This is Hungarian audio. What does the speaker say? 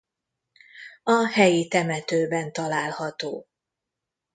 A helyi temetőben található.